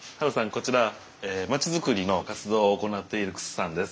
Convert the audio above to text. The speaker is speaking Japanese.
こちら町づくりの活動を行っている楠さんです。